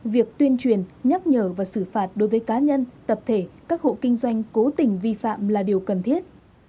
việc tuyên truyền nhắc nhở và xử phạt đối với cá nhân tập thể các hộ kinh doanh cố tình vi phạm là điều cần thiết